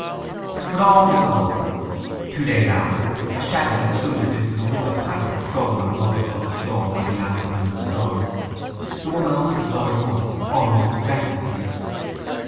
But all was not over. Two days after, a shadow intruded into the window pattern thrown on Rhoda Brook's floor by the afternoon sun. The woman opened the door at once, almost breathlessly.